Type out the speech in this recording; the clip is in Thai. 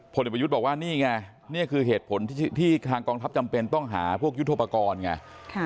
เด็กประยุทธ์บอกว่านี่ไงนี่คือเหตุผลที่ทางกองทัพจำเป็นต้องหาพวกยุทธโปรกรณ์ไง